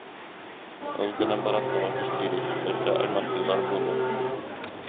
Ол гынан баран тоҕо кистиирий, өссө аймахтыылар буолуо